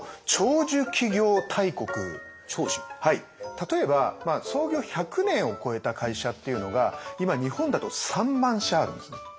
はい例えば創業１００年を超えた会社っていうのが今日本だと３万社あるんですね。